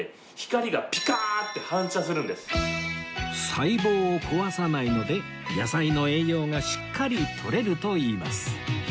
細胞を壊さないので野菜の栄養がしっかりとれるといいます